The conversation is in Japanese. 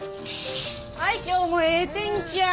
はい今日もええ天気や。